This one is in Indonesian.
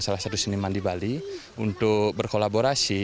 salah satu seniman di bali untuk berkolaborasi